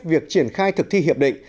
việc triển khai thực thi hiệp định